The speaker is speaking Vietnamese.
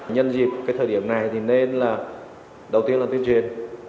nhân dịp cái thời điểm này thì nên là đầu tiên là tuyên truyền